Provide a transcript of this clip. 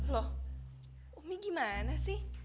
loh umi gimana sih